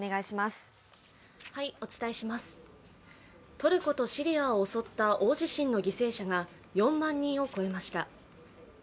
トルコとシリアを襲った大地震の犠牲者が４万人を超えました。